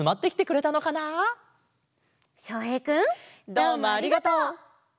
どうもありがとう！